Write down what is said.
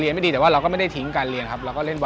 เรียนไม่ดีแต่ก็ไม่ได้ทิ้งฉุดเรียนครับ